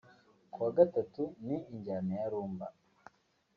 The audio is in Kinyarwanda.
kuwa Gatatu ni injyana ya Rumba